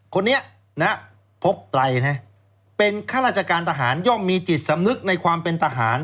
ซึ่งพันธุ์อากาศเอกนะครับพพตเนี่ยเป็นข้าราชการทหารที่ยอมมีจิตสำนึกในความเป็นต่อศาล